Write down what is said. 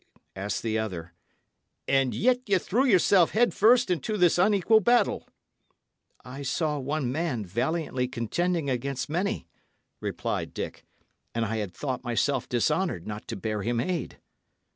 asked the other. "And yet ye threw yourself head first into this unequal battle." "I saw one man valiantly contending against many," replied Dick, "and I had thought myself dishonoured not to bear him aid."